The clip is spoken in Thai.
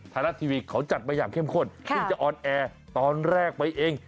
ไทยรัฐทีวีเขาจัดมาอย่างเข้มข้นเพิ่งจะออนแอร์ตอนแรกไปเอง